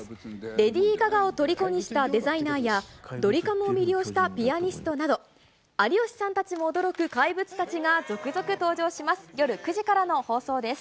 レディー・ガガをとりこにしたデザイナーや、ドリカムを魅了したピアニストなど、有吉さんたちも驚く怪物たちが続々登場します。